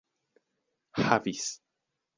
havis